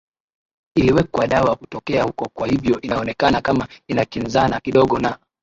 iliwekwa dawa kutokea huko kwa hivyo inaonekana kama inakinzana kidogo na